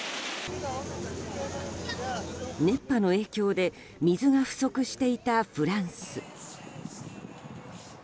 熱波の影響で水が不足していたフランス。